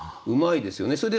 うまいですよね。